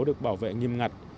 được bảo vệ nghiêm ngặt